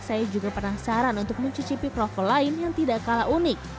saya juga penasaran untuk mencicipi kroffel lain yang tidak kalah unik